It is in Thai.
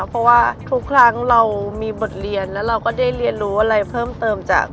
เพราะว่าทุกครั้งเรามีบทเรียนแล้วเราก็ได้เรียนรู้อะไรเพิ่มเติมจาก